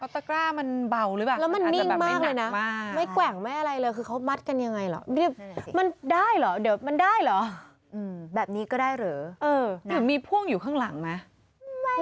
ตกระบะมันเบาหรือเปล่ามันอาจจะแบบไม่หนักมาก